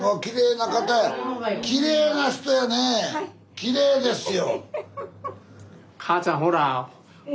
きれいですよ。